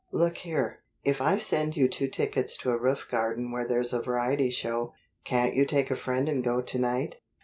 Look here. If I send you two tickets to a roof garden where there's a variety show, can't you take a friend and go to night?"